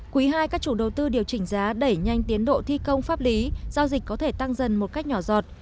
quý ii các chủ đầu tư điều chỉnh giá đẩy nhanh tiến độ thi công pháp lý giao dịch có thể tăng dần một cách nhỏ giọt